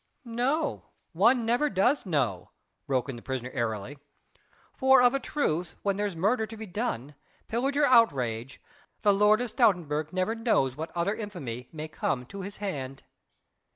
"No! one never does know," broke in the prisoner airily, "for of a truth when there's murder to be done, pillage or outrage, the Lord of Stoutenburg never knows what other infamy may come to his hand."